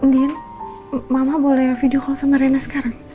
din mama boleh video call sama rena sekarang